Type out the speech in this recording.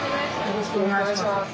よろしくお願いします。